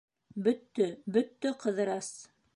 — Бөттө, бөттө, Ҡыҙырас!